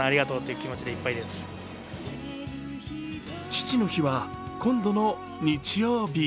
父の日は今度の日曜日。